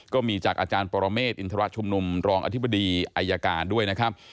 ก็มีจากอาจารย์ปรเมฆอินทรชุมนุมรองอธิบดีอายการด้วยนะครับ